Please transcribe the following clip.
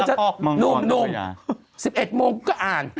หนุ่ม๑๑โมงก็อ่าน